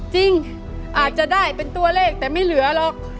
จริงอาจจะได้เป็นตัวเลขแต่ไม่เหลือหรอก